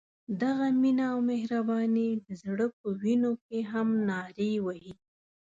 دغه مینه او مهرباني د زړه په وینو کې هم نارې وهي.